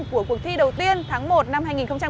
của cuộc thi đầu tiên tháng một năm hai nghìn một mươi chín